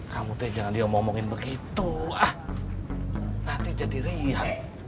kamu teh jangan dia omongin begitu ah nanti jadi rihan